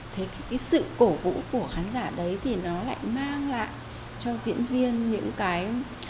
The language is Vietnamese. thế cái sự cổ vũ của khán giả đấy thì nó lại mang lại cho diễn viên những cái